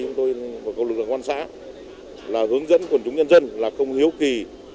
chúng tôi và cộng lực lượng quan xã là hướng dẫn quần chúng nhân dân là không hiếu kỳ